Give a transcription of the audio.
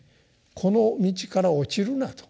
この道から落ちるなと。